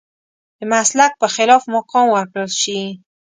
د مسلک په خلاف مقام ورکړل شي.